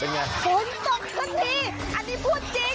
เป็นอย่างไรฝนตกสักทีอันนี้พูดจริง